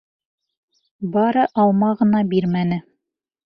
Бары алма ғына бирмәне.